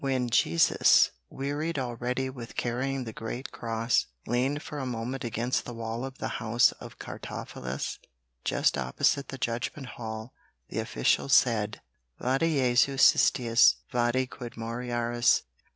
When Jesus, wearied already with carrying the great cross, leaned for a moment against the wall of the house of Cartaphilus just opposite the Judgment hall the official said: "'Vade Jesu citius, vade, quid moraris?